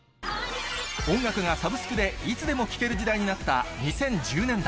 音楽がサブスクでいつでも聴ける時代になった２０１０年代。